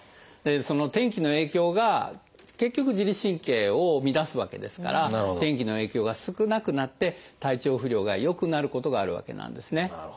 その天気の影響が結局自律神経を乱すわけですから天気の影響が少なくなって体調不良が良くなることがあるわけなんですね。